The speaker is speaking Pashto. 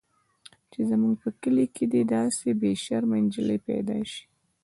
چې زموږ په کلي کښې دې داسې بې شرمه نجلۍ پيدا سي.